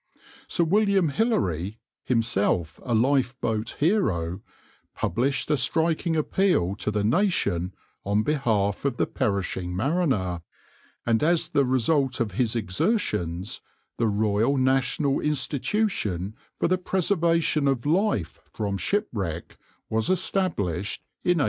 Sir William Hillary, himself a lifeboat hero, published a striking appeal to the nation on behalf of the perishing mariner, and as the result of his exertions the Royal National Institution for the Preservation of Life from Shipwreck was established in 1824.